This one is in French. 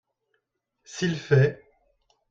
S'il fait.